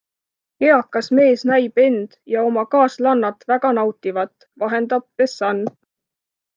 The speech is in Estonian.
Eakas mees näib end ja oma kaaslannat väga nautivat, vahendab The Sun.